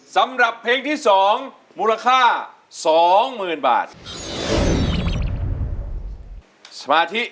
สำหรับเพลงที่๒